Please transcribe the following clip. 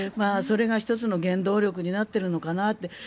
それが１つの原動力になっているのかなって。